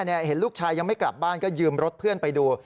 เห็นลูกชายยังไม่กลับบ้านก็ยืมรถเพื่อนไปดู